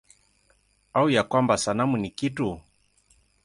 Au ya kwamba sanamu ni kitu?